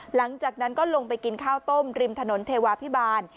หลังจากนั้นก็ลงไปกินข้าวต้มริมถนนเทวาพิบาล